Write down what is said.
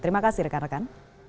terima kasih rekan rekan